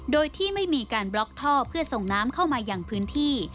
โดยที่ไม่มีการบล็อกท่อเพื่อส่งน้ำเข้ามาอย่างพื้นที่